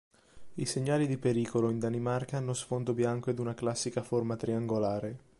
I segnali di pericolo in Danimarca hanno sfondo bianco ed una classica forma triangolare.